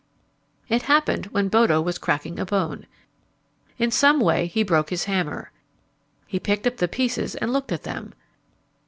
It happened when Bodo was cracking a bone. In some way he broke his hammer. He picked up the pieces and looked at them.